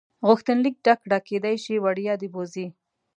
غوښتنلیک ډک کړه کېدای شي وړیا دې بوځي.